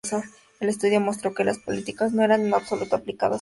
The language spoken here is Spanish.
El estudio mostró que las políticas no eran en absoluto aplicadas con consistencia.